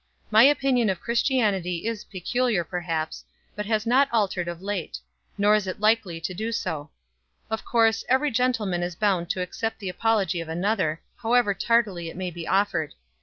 My opinion of Christianity is peculiar perhaps, but has not altered of late; nor is it likely to do so. Of course, every gentleman is bound to accept the apology of another, however tardily it may be offered.